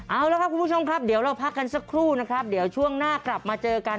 เอาละครับคุณผู้ชมครับเดี๋ยวเราพักกันสักครู่นะครับเดี๋ยวช่วงหน้ากลับมาเจอกัน